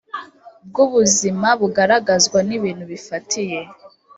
bw ubuzima bugaragazwa n ibintu bifatiye